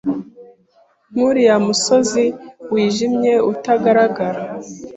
Nkuriya musozi wijimye utagaragara